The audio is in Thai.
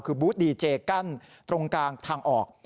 คือบูธดีเจกั้นตรงกลางทางออก